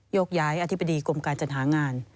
ยกย้ายอธิบดีกรมการจัดหางาน